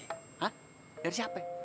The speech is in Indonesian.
hah dari siapa